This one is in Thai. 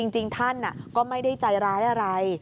จริงท่านก็ไม่ได้ใจร้ายอะไร